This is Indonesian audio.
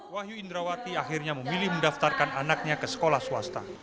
wahyu indrawati akhirnya memilih mendaftarkan anaknya ke sekolah swasta